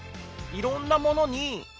いろんなものに。